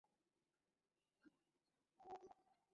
শ্রোডিংগারের অঙ্কটা ছিল তরঙ্গ ফাংশনের একটা সমীকরণ।